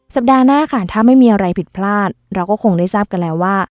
สัปดาห์หน้าค่ะถ้าไม่มีอะไรผิดพลาดเราก็คงได้ทราบกันแล้วว่า